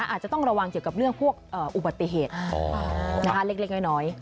อาจจะต้องระวังเกี่ยวกับเรื่องพวกอุบัติเหตุเล็กน้อย